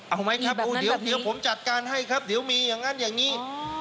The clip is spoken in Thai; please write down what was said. เอาไหมครับเดี๋ยวผมจัดการให้ครับเดี๋ยวมีอย่างนั้นอย่างนี้